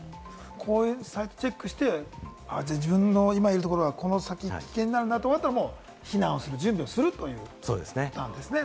こういうサイトをチェックして、自分のいるところはその先、危険だと思ったら避難をする、準備をするという。